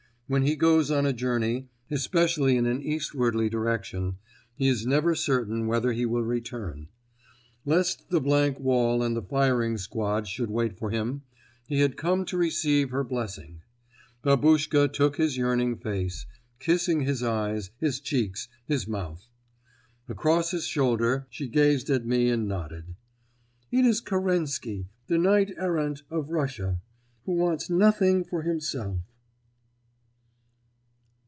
When he goes on a journey, especially in an eastwardly direction, he is never certain whether he will return. Lest the blank wall and the firing squad should wait for him, he had come to receive her blessing. Babuschka took his yearning face, kissing his eyes, his cheeks, his mouth. Across his shoulder she gazed at me and nodded. "It is Kerensky, the knight errant of Russia, who wants nothing for himself."